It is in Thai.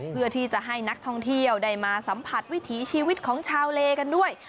เพื่อที่จะให้นักท่องเที่ยวได้มาสัมผัสวิถีชีวิตของชาวเลกันด้วย